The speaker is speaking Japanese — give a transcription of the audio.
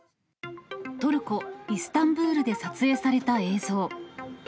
トルコ・イスタンブールで撮影された映像。